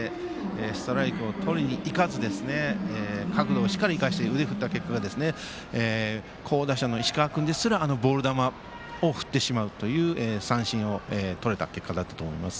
ストライクをとりにいかず角度をしっかり生かして腕を振った結果好打者の石川君ですらあのボール球を振ってしまうという三振をとれた結果だったと思います。